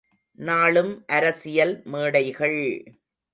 நாளும் அரசியல் மேடைகள்!